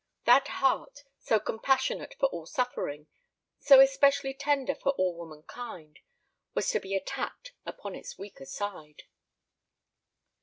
That heart, so compassionate for all suffering, so especially tender for all womankind, was to be attacked upon its weaker side.